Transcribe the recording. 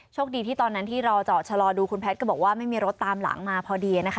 คดีที่ตอนนั้นที่รอเจาะชะลอดูคุณแพทย์ก็บอกว่าไม่มีรถตามหลังมาพอดีนะคะ